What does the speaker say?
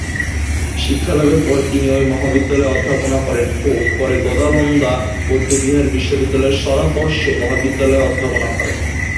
শিক্ষালাভের পর তিনি এই মহাবিদ্যালয়ে অধ্যাপনা করেন ও পরে দ্গা'-ল্দান বৌদ্ধবিহার বিশ্ববিদ্যালয়ের শার-র্ত্সে মহাবিদ্যালয়ে অধ্যাপনা করেন।